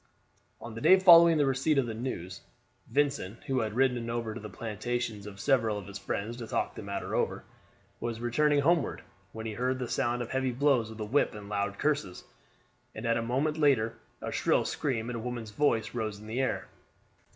On the day following the receipt of the news, Vincent, who had ridden over to the plantations of several of his friends to talk the matter over, was returning homeward, when he heard the sound of heavy blows with a whip and loud curses, and a moment later a shrill scream in a woman's voice rose in the air.